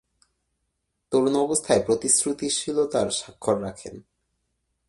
তরুণ অবস্থায় প্রতিশ্রুতিশীলতার স্বাক্ষর রাখেন।